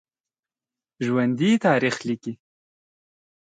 ژوندي تاریخ لیکي